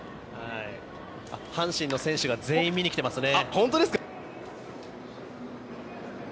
阪神の選手が全員、見に来てますね。